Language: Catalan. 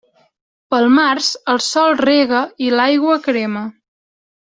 Pel març el sol rega i l'aigua crema.